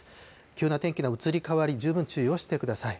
急な天気の移り変わり、十分注意をしてください。